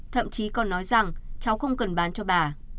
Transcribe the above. thậm chí còn nói rằng cháu không cần bán cho bà